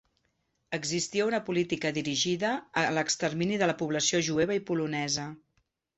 Existia una política dirigida a l'extermini de la població jueva i polonesa.